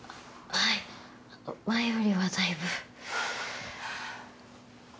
はい前よりはだいぶ。